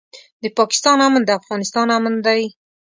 د پاکستان امن د افغانستان امن دی.